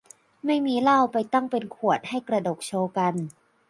ไม่มีเหล้าไปตั้งเป็นขวด ให้กระดกโชว์กัน